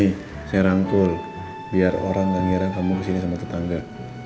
dah nih saya rangkul biar orang enggak ngira kamu kesini sama tetangga